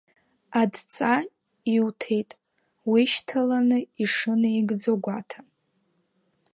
Адҵа иуҭеит, уишьҭаланы ишынеигӡо гәаҭа.